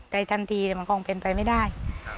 ใจทันทีมันคงเป็นไปไม่ได้